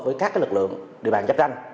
với các lực lượng địa bàn chấp tranh